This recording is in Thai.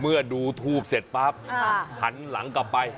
เมื่อดูทูบเสร็จปั๊บหันหลังกลับไป